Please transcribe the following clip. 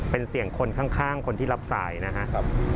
เป็นเสียงคนข้างคนที่รับสายนะครับ